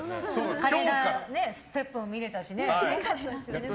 華麗なステップも見れたしね。